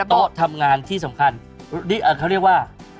โต๊ะทำงานที่สำคัญเขาเรียกว่า